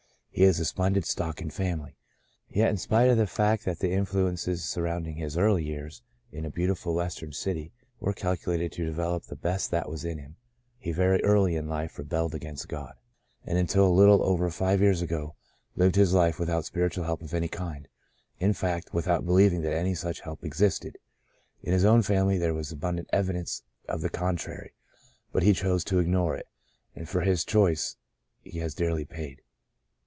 He is of splendid stock and family. Yet in spite of the fact that the influences surrounding his early years in a beautiful Western city were calculated to de velop the best that was in him, he very early in life rebelled against God ; and until a little over five years ago, lived his life without spiritual help of any kind — in factj without l66 The Lifted Bondage believing that any such help existed. In his own family there was abundant evidence of the contrary, but he chose to ignore it, and for his choice he has dearly paid.